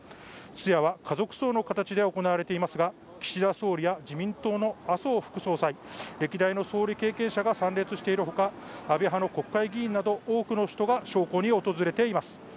通夜は家族葬の形で行われていますが、岸田総理や自民党の麻生副総裁、歴代の総理経験者が参列しているほか、安倍派の国会議員など多くの人が焼香に訪れています。